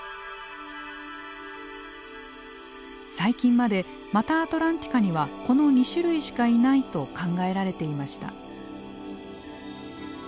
最近までマタアトランティカにはこの２種類しかいないと考えられていました。